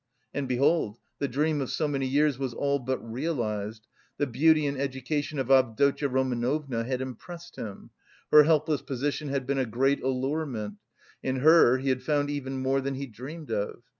And, behold, the dream of so many years was all but realised; the beauty and education of Avdotya Romanovna had impressed him; her helpless position had been a great allurement; in her he had found even more than he dreamed of.